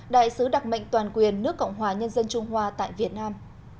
đại sứ đặc mệnh toàn quyền nước cộng hòa nhân dân trung hoa tại việt nam